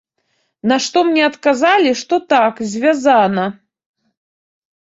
На што мне адказалі, што так, звязана.